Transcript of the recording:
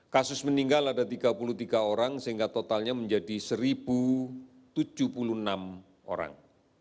kasus meninggal ada tiga puluh tiga orang sehingga totalnya menjadi satu tujuh puluh enam orang